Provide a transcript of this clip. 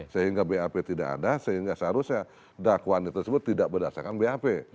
sehingga bap tidak ada sehingga seharusnya dakwaannya tersebut tidak berdasarkan bap